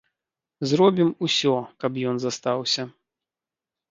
Зробім усё, каб ён застаўся.